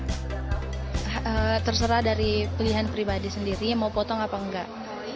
terserah dari pilihan pribadi sendiri mau potong apa enggak